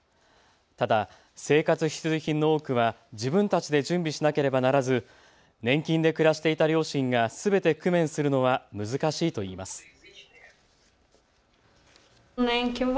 ただ生活必需品の多くは自分たちで準備しなければならず年金で暮らしていた両親がすべて工面するのは難しいといいます。